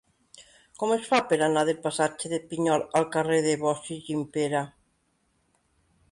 Com es fa per anar del passatge de Pinyol al carrer de Bosch i Gimpera?